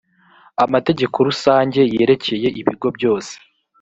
amategeko rusange yerekeye ibigo byose